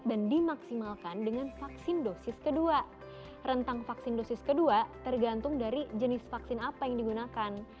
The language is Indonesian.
jadi tidak efektif terima kasih dok